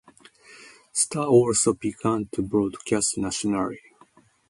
Star also began to broadcast nationally.